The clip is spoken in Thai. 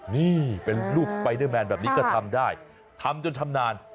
นี่เป็นรูปสไปเดอร์แมนแบบนี้ก็ทำได้ทำจนชำนาญ